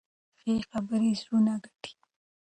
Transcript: ښې خبرې زړونه ګټي.